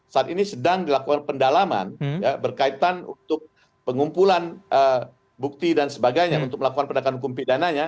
saat ini sedang dilakukan pendalaman berkaitan untuk pengumpulan bukti dan sebagainya untuk melakukan pendekatan hukum pidananya